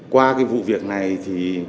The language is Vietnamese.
qua cái vụ việc này thì